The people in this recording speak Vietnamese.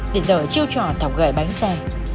để giờ chiêu trò thọc gợi bánh xe